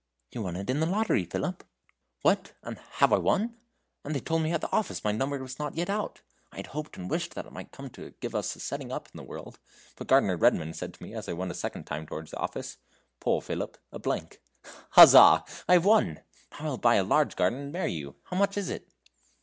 "You won it in the lottery, Philip." "What! have I won? and they told me at the office my number was not yet out. I had hoped and wished that it might come to give us a setting up in the world; but gardener Redman said to me as I went a second time towards the office: 'Poor Philip a blank.' Huzzah! I have won! Now I will buy a large garden and marry you. How much is it?"